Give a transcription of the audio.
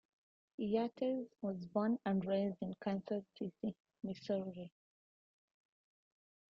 Yates was born and raised in Kansas City, Missouri.